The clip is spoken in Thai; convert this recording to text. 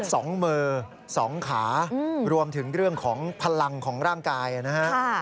สองมือสองขารวมถึงเรื่องของพลังของร่างกายนะฮะ